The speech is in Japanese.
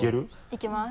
いけます。